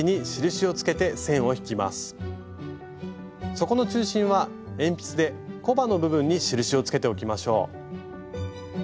底の中心は鉛筆でコバの部分に印をつけておきましょう。